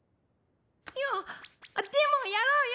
やでもやろうよ！